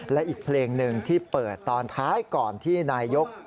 และอีกเพลงหนึ่งที่เปิดตอนท้ายก่อนที่นายก